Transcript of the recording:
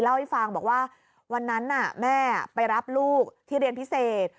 เล่าให้ฟังบอกว่าวันนั้นแม่ไปรับลูกที่เรียนพิเศษ